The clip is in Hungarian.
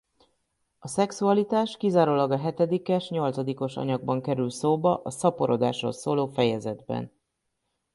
A szexualitás kizárólag a hetedikes-nyolcadikos anyagban kerül szóba a „szaporodásról“ szóló fejezetben.